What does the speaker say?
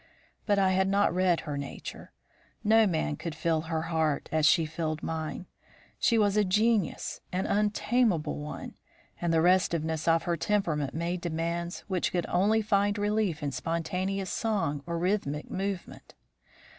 But I had not read her nature. No man could fill her heart as she filled mine. She was a genius, an untamable one, and the restiveness of her temperament made demands which could only find relief in spontaneous song or rhythmic movement.